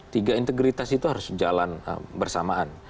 tiga integritas itu harus jalan bersamaan